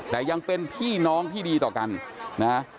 แต่ยังเป็นพี่น้องที่ดีต่อกันนะ